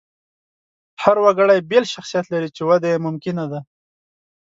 هر وګړی بېل شخصیت لري، چې وده یې ممکنه ده.